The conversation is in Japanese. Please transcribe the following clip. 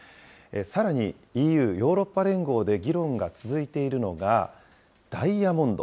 さらにＥＵ・ヨーロッパ連合で議論が続いているのが、ダイヤモンド。